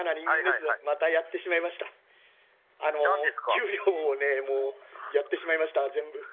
給料をねやってしまいました全部。